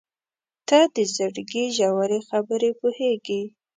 • ته د زړګي ژورې خبرې پوهېږې.